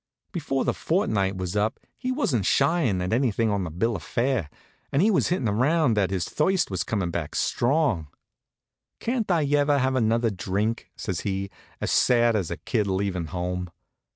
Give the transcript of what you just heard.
Before the fortnight was up he wasn't shyin' at anything on the bill of fare, and he was hintin' around that his thirst was comin' back strong. "Can't I ever have another drink?" says he, as sad as a kid leavin' home.